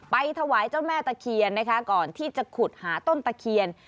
ถวายเจ้าแม่ตะเคียนนะคะก่อนที่จะขุดหาต้นตะเคียน